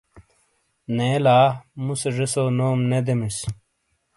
نے لا مُوسے زیسو نوم نے دیمِیس۔